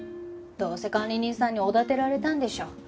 どうせ管理人さんにおだてられたんでしょ。